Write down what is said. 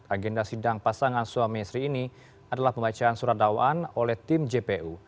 agenda sidang pasangan suami istri ini adalah pembacaan surat dakwaan oleh tim jpu